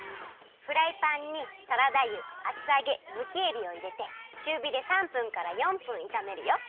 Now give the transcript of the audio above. フライパンにサラダ油厚あげむきえびをいれてちゅうびで３分から４分いためるよ。